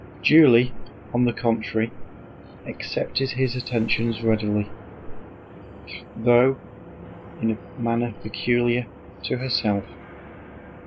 Julie on the contrary accepted his attentions readily, though in a manner peculiar to herself.